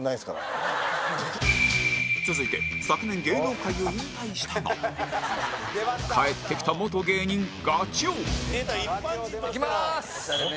続いて昨年芸能界を引退したが帰ってきたいきます！